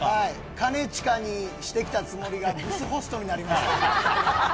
かねちかにしてきたつもりが、ブスホストになりました。